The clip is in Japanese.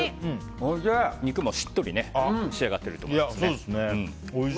肉もしっとり仕上がっていると思います。